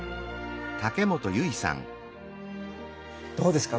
どうですか？